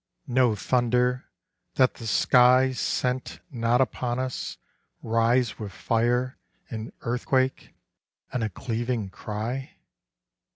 No thunder, that the skies Sent not upon us, rise With fire and earthquake and a cleaving cry?